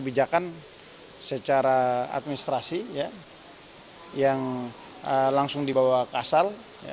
kebijakan secara administrasi yang langsung dibawa kasal